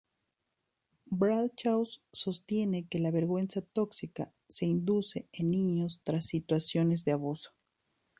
Bradshaw sostiene que la "vergüenza tóxica" se induce en niños tras situaciones de abuso.